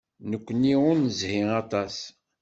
Nekkni ur nezhi aṭas.